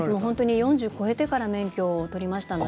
４０歳を超えてから免許を取りました。